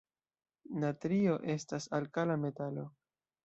Natrio estas alkala metalo.